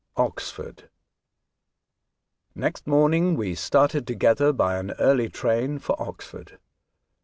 OXFORD. NEXT morning we started together by an early train for Oxford.